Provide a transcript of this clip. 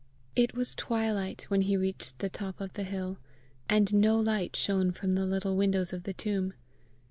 It was twilight when he reached the top of the hill, and no light shone from the little windows of the tomb.